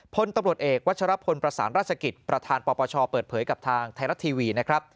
พลตำรวจเอกวัชรพลประสานราชกิจประธานปปชเปิดเผยกับทางไทยรัฐทีวีนะครับ